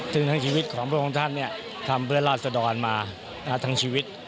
ทั้งชีวิตของพวกคุณท่านเนี่ยทำเพื่อนราศดรมาทังชีวิต